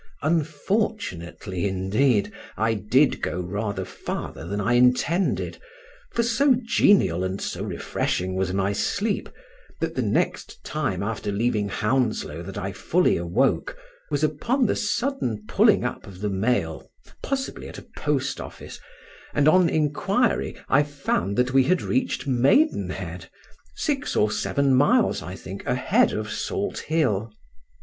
Unfortunately, indeed, I did go rather farther than I intended, for so genial and so refreshing was my sleep, that the next time after leaving Hounslow that I fully awoke was upon the sudden pulling up of the mail (possibly at a post office), and on inquiry I found that we had reached Maidenhead—six or seven miles, I think, ahead of Salthill.